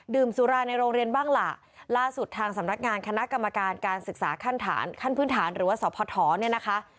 สุราในโรงเรียนบ้างล่ะล่าสุดทางสำนักงานคณะกรรมการการศึกษาขั้นฐานขั้นพื้นฐานหรือว่าสพเนี่ยนะคะ